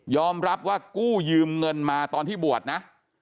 รับว่ากู้ยืมเงินมาตอนที่บวชนะ